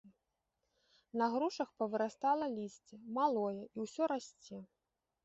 На грушах павырастала лісце, малое і ўсё расце.